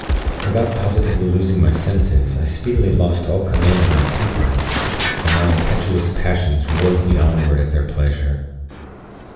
Without positively losing my senses, I speedily lost all command of my temper, and my impetuous passions whirled me onward at their pleasure.